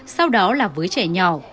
sau đó là với trẻ nhỏ